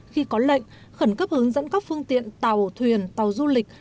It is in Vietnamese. khi có lệnh khẩn cấp hướng dẫn các phương tiện tàu thuyền tàu du lịch